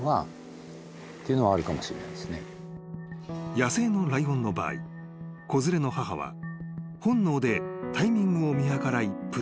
［野生のライオンの場合子連れの母は本能でタイミングを見計らいプライドに戻る］